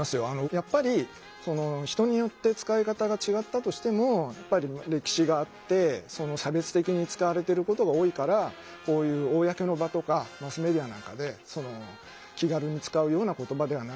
やっぱり人によって使い方が違ったとしても歴史があって差別的に使われてることが多いからこういう公の場とかマスメディアなんかで気軽に使うような言葉ではないよと。